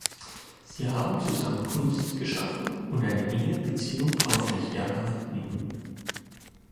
Sie haben zusammen Kunst geschaffen und eine enge Beziehung aufrechterhalten.